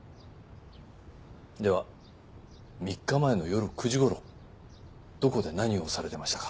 では３日前の夜９時頃どこで何をされていましたか？